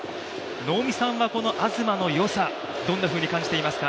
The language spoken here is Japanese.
能見さんはこの東の良さ、どんなふうに感じていますか。